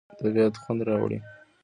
طبیعت خوند راوړي.